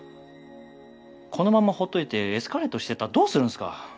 このまんま放っておいてエスカレートしていったらどうするんすか？